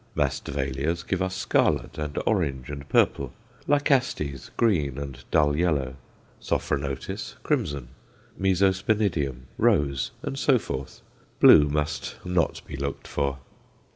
Masdevallias give us scarlet and orange and purple; Lycastes, green and dull yellow; Sophronitis, crimson; Mesospinidium, rose, and so forth. Blue must not be looked for.